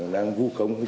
đang vô công thì đẹp